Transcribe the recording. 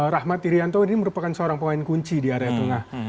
rahmat irianto ini merupakan seorang pemain kunci di area tengah